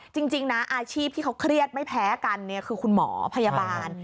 จริงนะอาชีพที่เขาเครียดไม่แพ้กันคือคุณหมอพยาบาล